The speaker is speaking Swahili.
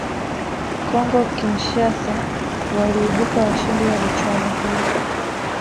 congo Kinshasa waliibuka washindi wa michuano hiyo